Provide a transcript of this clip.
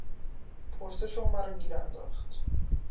پرسش او مرا گیر انداخت.